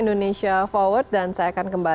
indonesia forward dan saya akan kembali